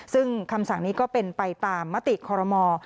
ซึ่งคำสั่งนี้ก็เป็นไปตามมติคอรมอ